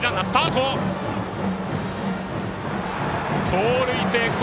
盗塁成功。